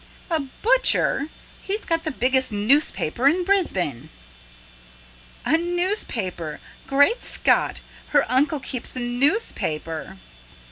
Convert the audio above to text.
"A butcher! He's got the biggest newspaper in Brisbane!" "A newspaper! Great Scott! Her uncle keeps a newspaper!"